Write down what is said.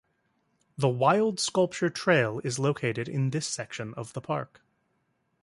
The "Wild Sculpture Trail" is located in this section of the park.